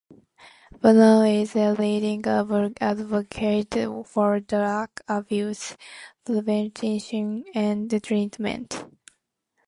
Bono is a leading advocate for drug abuse prevention and treatment.